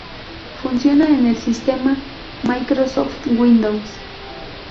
Funciona en el sistema Microsoft Windows.